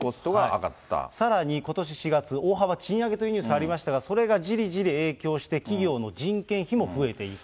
さらにことし４月、大幅賃上げというニュースありましたが、それがじりじり影響して、企業の人件費も増えていくと。